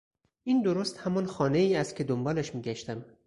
این درست همان خانهای است که دنبالش میگشتم.